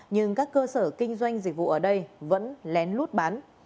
nhưng các cơ sở kinh doanh dịch vụ ở đây vẫn lén lút bán